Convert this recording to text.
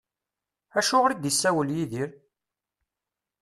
Acuɣer i d-isawel Yidir?